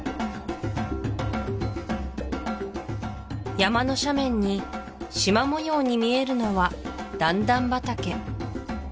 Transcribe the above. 山の斜面にしま模様に見えるのは段々畑